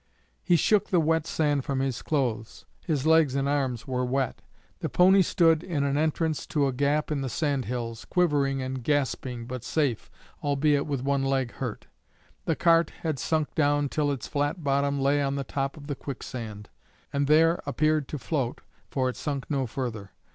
He shook the wet sand from his clothes; his legs and arms were wet. The pony stood in an entrance to a gap in the sand hills, quivering and gasping, but safe, albeit with one leg hurt. The cart had sunk down till its flat bottom lay on the top of the quicksand, and there appeared to float, for it sunk no further.